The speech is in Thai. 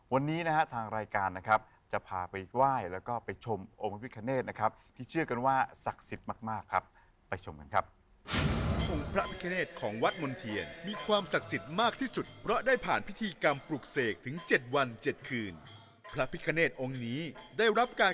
วันนี้นะฮะทางรายการนะครับจะพาไปไหว้แล้วก็ไปชมองค์พระพิคเนธนะครับที่เชื่อกันว่าศักดิ์สิทธิ์มากครับไปชมกันครับ